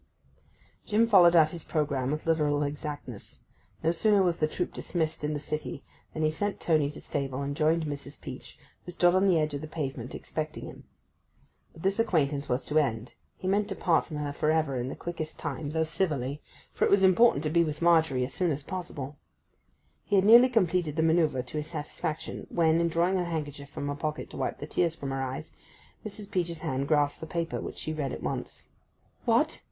Jim followed out his programme with literal exactness. No sooner was the troop dismissed in the city than he sent Tony to stable and joined Mrs. Peach, who stood on the edge of the pavement expecting him. But this acquaintance was to end: he meant to part from her for ever and in the quickest time, though civilly; for it was important to be with Margery as soon as possible. He had nearly completed the manœuvre to his satisfaction when, in drawing her handkerchief from her pocket to wipe the tears from her eyes, Mrs. Peach's hand grasped the paper, which she read at once. 'What!